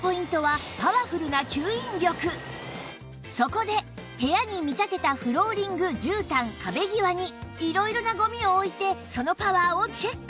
そこで部屋に見立てたフローリングじゅうたん壁際に色々なゴミを置いてそのパワーをチェック